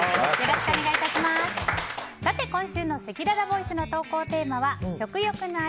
今週のせきららボイスの投稿テーマは食欲の秋！